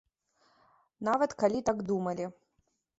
Нават калі так думалі.